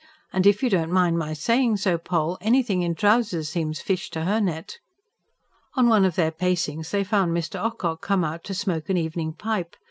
And if you don't mind my saying so, Poll, anything in trousers seems fish to her net!" On one of their pacings they found Mr. Ocock come out to smoke an evening pipe.